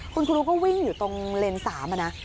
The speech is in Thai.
คุณครูก็วิ่งอยู่ตรงเลนส์๓อะนะ